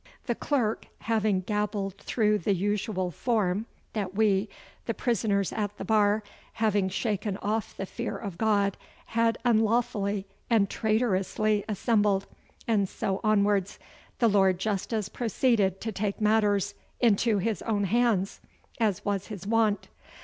The clerk having gabbled through the usual form that we, the prisoners at the bar, having shaken off the fear of God, had unlawfully and traitorously assembled, and so onwards, the Lord Justice proceeded to take matters into his own hands, as was his wont.